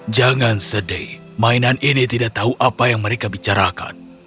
jangan sedih mainan ini tidak tahu apa yang mereka bicarakan